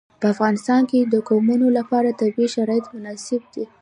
په افغانستان کې د قومونه لپاره طبیعي شرایط مناسب دي.